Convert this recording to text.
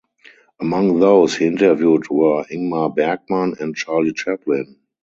Among those he interviewed were Ingmar Bergman and Charlie Chaplin.